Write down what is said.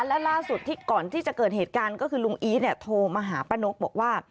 และล่าสุดที่ก่อนที่จะเกิดเหตุการณ์ก็คือลุงอีทเนี่ยโทรมาหาป้านกบอกว่า